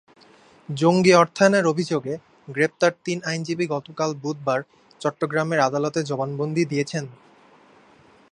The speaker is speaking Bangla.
জঙ্গি অর্থায়নের অভিযোগে গ্রেপ্তার তিন আইনজীবী গতকাল বুধবার চট্টগ্রামের আদালতে জবানবন্দি দিয়েছেন।